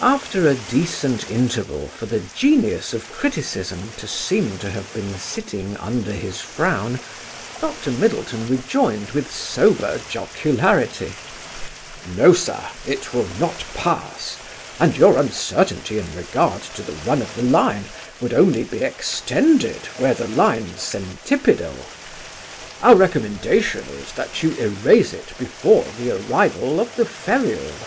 After a decent interval for the genius of criticism to seem to have been sitting under his frown, Dr. Middleton rejoined with sober jocularity: "No, sir, it will not pass; and your uncertainty in regard to the run of the line would only be extended were the line centipedal. Our recommendation is, that you erase it before the arrival of the ferule.